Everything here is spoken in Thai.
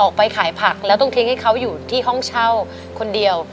ออกไปขายผักแล้วต้องทิ้งให้เขาอยู่ที่ห้องเช่าคนเดียว